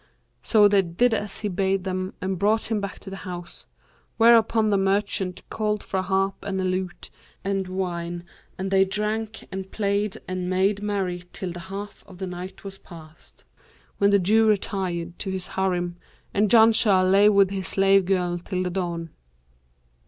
So they did as he bade them and brought him back to the house, whereupon the merchant called for harp and lute and wine and they drank and played and made merry till the half of the night was past, when the Jew retired to his Harim and Janshah lay with his slave girl till the dawn.